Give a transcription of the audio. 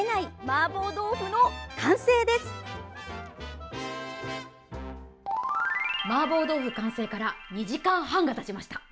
マーボー豆腐完成から２時間半がたちました。